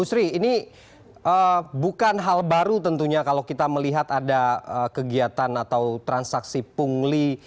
bu sri ini bukan hal baru tentunya kalau kita melihat ada kegiatan atau transaksi pungli